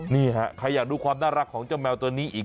นี่ฮะใครอยากดูความน่ารักของเจ้าแมวตัวนี้อีก